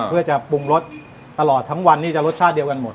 เพื่อจะปรุงรสตลอดทั้งวันนี้จะรสชาติเดียวกันหมด